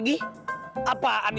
tentu saja kau tertarik